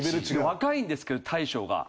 ・若いんですけど大将が。